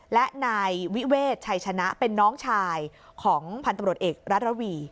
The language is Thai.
และนายวิเวศชัยชนะเป็นน้องชายของพันธบรวจเอกรัฐระวี